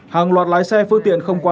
hàng loạt lái xe phư tiện không qua